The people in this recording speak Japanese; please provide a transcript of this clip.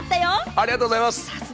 ありがとうございます。